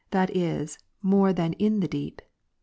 253 that is, more than in the deep.